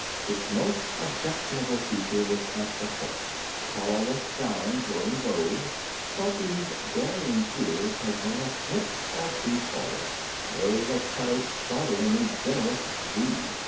Its most objectionable feature was at the throat. Collarless gowns were in vogue. Sophy's daring shears had gone a snip or two farther. They had cut a startlingly generous V.